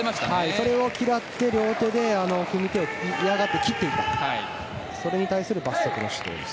それを嫌って両手で組み手を嫌がって切っていったそれに対する罰則ということです。